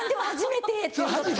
「初めて！